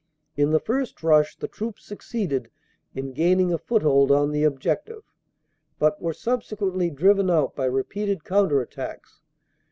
In the first rush the troops succeeded in gaining a foothold on the objective, but were subsequently driven out by repeated counter attacks.